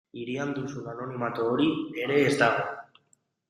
Hirian duzun anonimatu hori ere ez dago.